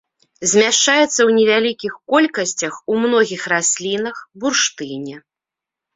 Змяшчаецца ў невялікіх колькасцях ў многіх раслінах, бурштыне.